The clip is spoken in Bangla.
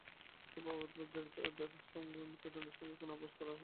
এসব অপরাধে জড়িতদের সাজা হিসেবে মৃত্যুদণ্ডের সঙ্গে কোনো আপস করা হবে না।